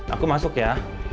aku masuk ya